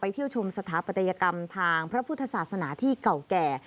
เที่ยวชมสถาปัตยกรรมทางพระพุทธศาสนาที่เก่าแก่